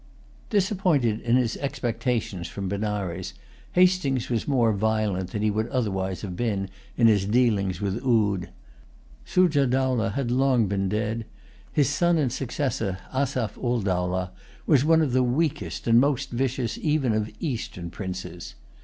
Disappointed in his expectations from Benares, Hastings was more violent than he would otherwise have been, in his dealings with Oude. Sujah Dowlah had[Pg 188] long been dead. His son and successor, Asaph ul Dowlah, was one of the weakest and most vicious even of Eastern princes.